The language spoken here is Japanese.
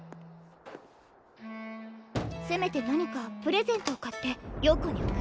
せめて何かプレゼントを買って陽子におくろう。